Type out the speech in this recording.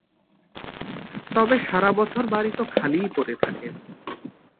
তবে সারা বছর বাড়ি তো খালিই পড়ে থাকে।